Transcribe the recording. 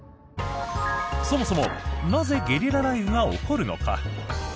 そもそもなぜゲリラ雷雨が起こるのか？